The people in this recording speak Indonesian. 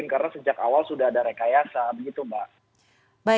karena sejak awal sudah ada rekayasa